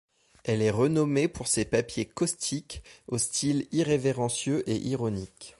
Elle est renommée pour ses papiers caustiques au style irrévérencieux et ironique.